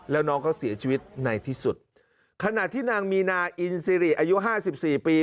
แล้วน้องก็เสียชีวิตในที่สุดขณะที่นางมีนาอินซิริอายุห้าสิบสี่ปี